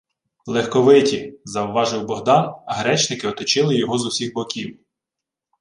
— Легковиті, — завважив Богдан, а гречники оточили його з усіх боків: